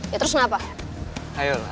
ya terus ngapain